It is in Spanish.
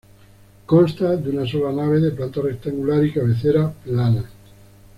Consta de una sola nave de planta rectangular y cabecera plana.